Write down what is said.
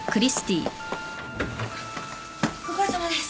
ご苦労さまです。